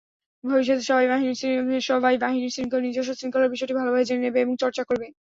ভবিষ্যতে সবাই বাহিনীর নিজস্ব শৃঙ্খলার বিষয়টি ভালোভাবে জেনে নেবে এবং চর্চা করবে।